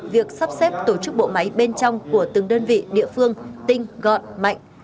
việc sắp xếp tổ chức bộ máy bên trong của từng đơn vị địa phương tinh gọn mạnh